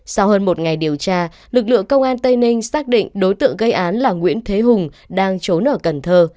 sau hơn một ngày điều tra lực lượng công an tây ninh xác định đối tượng gây án là nguyễn thế hùng đang trốn ở cần thơ